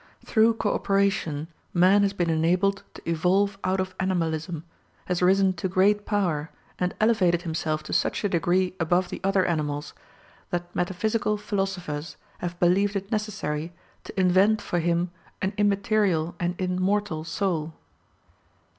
Through co operation man has been enabled to evolve out of animalism, has risen to great power, and elevated himself to such a degree above the other animals, that metaphysical philosophers have believed it necessary to invent for him an immaterial and immortal soul.